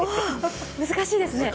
難しいですね。